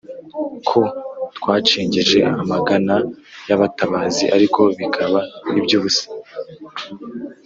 ko twacengeje amagana y’abatabazi ariko bikaba iby’ubusa,